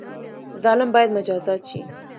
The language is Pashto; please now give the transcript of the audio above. ظالم باید مجازات شي